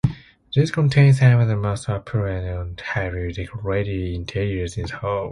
These contain some of the most opulent and highly decorated interiors in the hall.